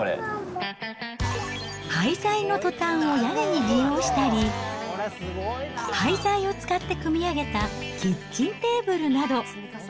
廃材のトタンを屋根に利用したり、廃材を使って組み合わせたキッチンテーブルなど。